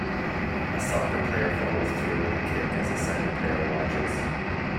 A soccer player follows through with a kick as a second player watches.